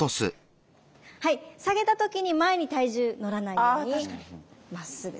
はい下げた時に前に体重乗らないようにまっすぐ。